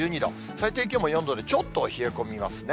最低気温も４度でちょっと冷え込みますね。